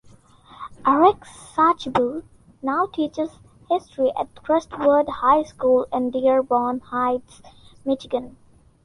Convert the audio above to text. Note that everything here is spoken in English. Eric Schabo now teaches history at Crestwood High School in Dearborn Heights, Michigan.